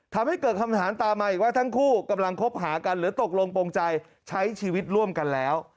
ทำให้เกิดคำถามตามมาอีกว่าทั้งคู่กำลังคบหากันหรือตกลงโปรงใจใช้ชีวิตร่วมกันแล้ว